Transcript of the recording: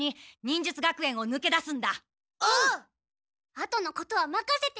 あとのことはまかせて！